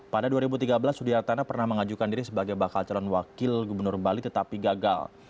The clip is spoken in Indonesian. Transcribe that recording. pada dua ribu tiga belas sudiartana pernah mengajukan diri sebagai bakal calon wakil gubernur bali tetapi gagal